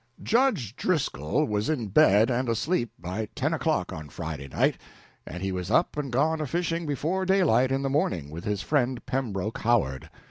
Judge Driscoll was in bed and asleep by ten o'clock on Friday night, and he was up and gone a fishing before daylight in the morning with his friend Pembroke Howard.